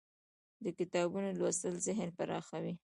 د کتابونو لوستل ذهن پراخوي.